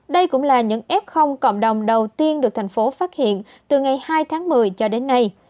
đây cũng là những f cộng đồng đầu tiên được thành phố phát hiện từ ngày hai tháng một mươi cho đến nay